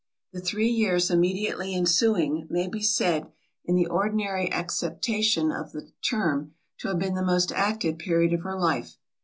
The three years immediately ensuing, may be said, in the ordinary acceptation of the term, to have been the most active period of her life.